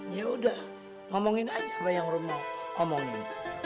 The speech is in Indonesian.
yaudah omongin aja bang yang rom mau omongin